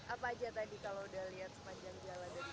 apa aja tadi kalau udah lihat sepanjang jalan